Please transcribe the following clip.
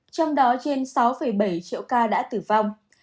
trong đó trên sáu bảy triệu ca đã tử vong